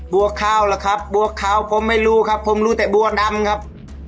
บัวขาวล่ะครับบัวขาวผมไม่รู้ครับผมรู้แต่บัวดำครับ